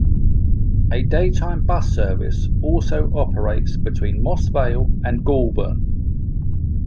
A daytime bus service also operates between Moss Vale and Goulburn.